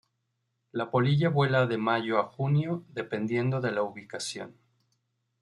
La polilla vuela de mayo a junio, dependiendo de la ubicación.